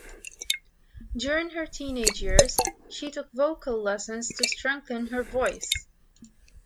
During her teenage years she took vocal lessons to strengthen her voice.